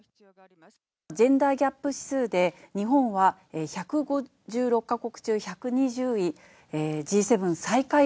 ジェンダーギャップ指数で、日本は１５６か国中１２０位。